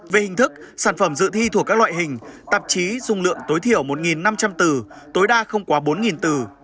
về hình thức sản phẩm dự thi thuộc các loại hình tạp chí dung lượng tối thiểu một năm trăm linh từ tối đa không quá bốn từ